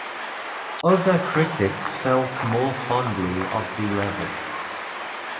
Other critics felt more fondly of the level.